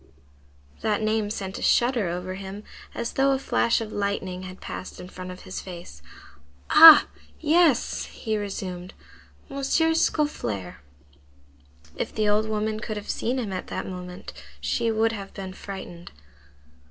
That name sent a shudder over him, as though a flash of lightning had passed in front of his face. "Ah! yes," he resumed; "M. Scaufflaire!" If the old woman could have seen him at that moment, she would have been frightened.